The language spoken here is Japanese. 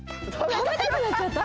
たべたくなっちゃった？